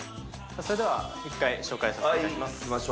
それでは１階紹介させて頂きます。